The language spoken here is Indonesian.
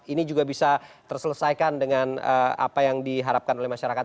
ini juga bisa terselesaikan dengan apa yang diharapkan oleh masyarakat